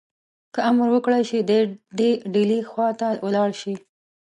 که امر وکړای شي دی دي ډهلي خواته ولاړ شي.